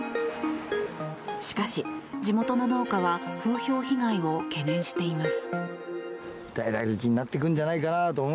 しかし、地元の農家は風評被害を懸念しています。